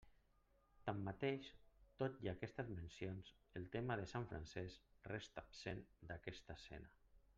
Tanmateix, tot i aquestes mencions, el tema de sant Francesc resta absent d'aquesta escena.